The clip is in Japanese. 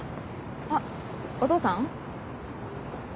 あっお父さん？